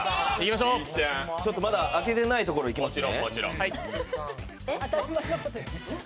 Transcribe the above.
ちょっとまだ開けてないところいきますね。